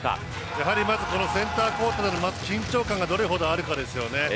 やはりセンターコートの緊張感がどれほどあるかですね。